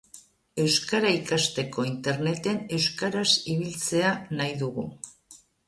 Euskara ikasteko Interneten euskaraz ibiltzea nahi dugu.